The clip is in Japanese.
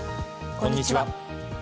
こんにちは。